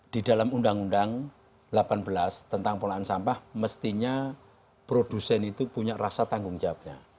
di dalam undang undang delapan belas tentang pengelolaan sampah mestinya produsen itu punya rasa tanggung jawabnya